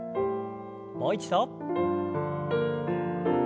もう一度。